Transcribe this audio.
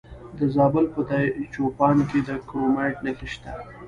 د زابل په دایچوپان کې د کرومایټ نښې شته.